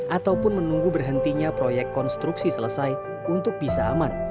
ataupun menunggu berhentinya proyek konstruksi selesai untuk bisa aman